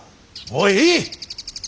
もういい！